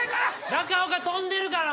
中岡跳んでるから！